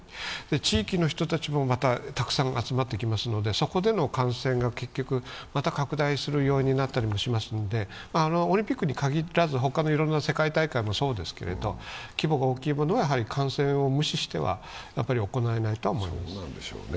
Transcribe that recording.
地域の人たちも、またたくさん集まってきますので、そこでの感染がまた拡大する要因になったりもしますのでオリンピックに限らず他のいろんな世界大会もそうですけど規模が大きいものは感染を無視しては行えないと思います。